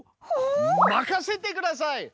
任せてください！